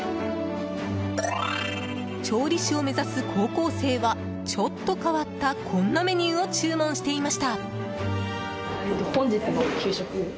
調理士を目指す高校生はちょっと変わったこんなメニューを注文していました。